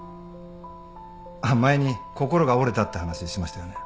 あっ前に心が折れたって話しましたよね？